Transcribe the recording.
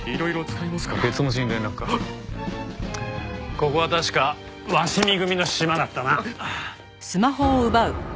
ここは確か鷲見組のシマだったな。